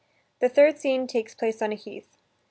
The third scene takes place on a heath.